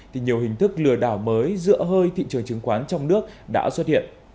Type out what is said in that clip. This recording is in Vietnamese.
thì nhiều hình thức lừa đảo mới giữa hơi thị trường chứng khoán trong nước đã xuất hiện